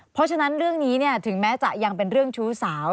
เพราะฉะนั้นเรื่องนี้ถึงแม้จะยังเป็นเรื่องชู้สาว